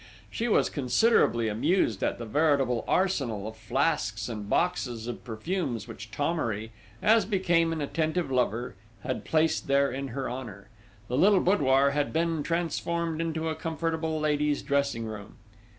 She was considerably amused at the veritable arsenal of flasks and boxes of perfumes which Thomery, as became an attentive lover, had placed there in her honour: the little boudoir had been transformed into a comfortable ladies' dressing room.